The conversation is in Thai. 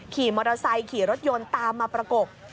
ขี่มอเตอร์ไซค์ขี่รถยนต์ตามมาประกบ